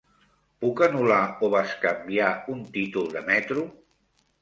Puc anul·lar o bescanviar un títol de metro?